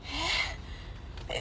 えっ？